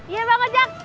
iya bang ajak